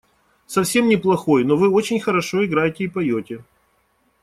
Совсем не плохой, но вы очень хорошо играете и поете.